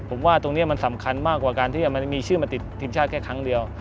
ผมว่าตรงนี้มันสำคัญมากกว่าการที่มันมีชื่อมาติดทีมชาติแค่ครั้งเดียว